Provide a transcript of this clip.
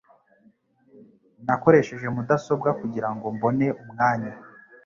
Nakoresheje mudasobwa kugirango mbone umwanya.